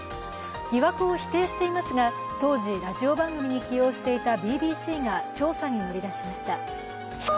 疑惑を否定していますが当時、ラジオ番組に起用していたＢＢＣが調査に乗り出しました。